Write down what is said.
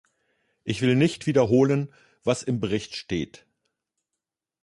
Ich will nicht wiederholen, was im Bericht steht.